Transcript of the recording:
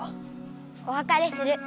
おわかれする。